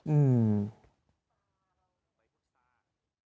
อืม